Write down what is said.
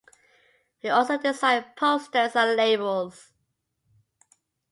He also designed posters and labels.